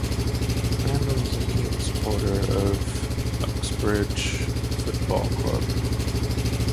Randall is a keen supporter of Uxbridge Football Club.